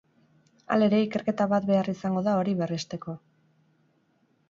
Halere, ikerketa bat behar izango da hori berresteko.